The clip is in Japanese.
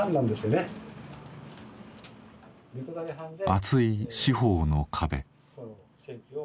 厚い司法の壁。